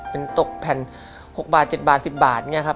เป็นตกแผ่น๖บาท๗บาท๑๐บาทอย่างนี้ครับ